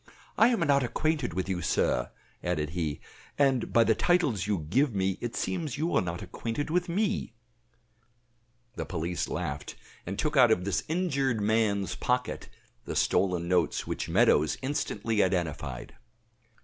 "I am not acquainted with you, sir," added he; "and by the titles you give me it seems you are not acquainted with me." The police laughed, and took out of this injured man's pocket the stolen notes which Meadows instantly identified.